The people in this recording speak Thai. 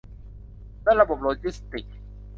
และระบบโลจิสติกส์